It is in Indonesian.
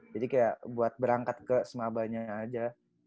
jadi kayak buat berangkat ke semabanya aja